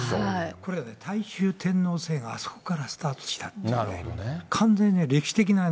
これ、大衆天皇制があそこからスタートしたっていうね。